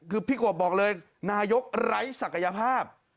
คือพี่กบบอกเลยนายกไร้ศักยภาพ